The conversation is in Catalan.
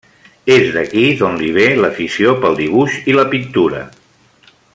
És d'aquí d'on li ve l'afició pel dibuix i la pintura.